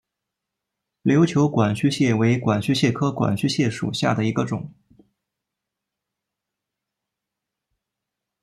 琉球管须蟹为管须蟹科管须蟹属下的一个种。